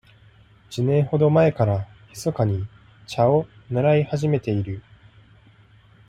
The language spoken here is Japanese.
一年ほど前からひそかに茶を習い始めている。